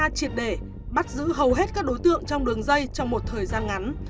đây là chuyên án điều tra triệt đề bắt giữ hầu hết các đối tượng trong đường dây trong một thời gian ngắn